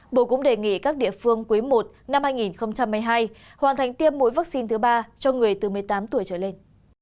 bộ cũng đề nghị các địa phương quý i năm hai nghìn hai mươi hai hoàn thành tiêm mũi vaccine thứ ba cho người từ một mươi tám tuổi trở lên